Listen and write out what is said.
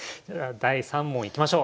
第３問いきましょう。